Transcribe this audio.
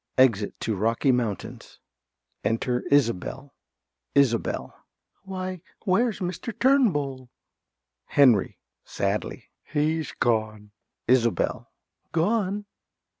(Exit to Rocky Mountains.) Enter Isobel. ~Isobel.~ Why, where's Mr. Turnbull? ~Henry~ (sadly). He's gone. ~Isobel.~ Gone?